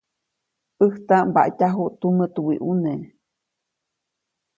ʼÄjtaʼm mbatyajuʼt tumä tuwiʼuneʼ.